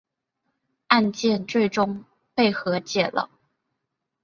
案件最终被和解了。